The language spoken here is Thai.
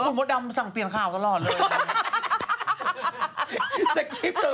คุณมดดำสั่งเปลี่ยนข่าวตลอดเลย